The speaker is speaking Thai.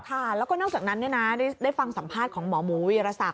ค่ะแล้วก็นอกจากนั้นได้ฟังสัมภาษณ์ของหมอหมูวีรศักดิ